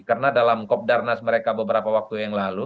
karena dalam kopdarnas mereka beberapa waktu yang lalu